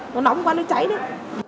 nó nóng quá nó cháy đấy